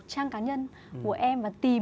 trang cá nhân của em và tìm